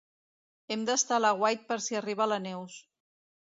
Hem d'estar a l'aguait per si arriba la Neus.